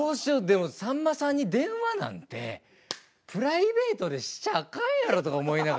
でもさんまさんに電話なんてプライベートでしちゃあかんやろとか思いながら。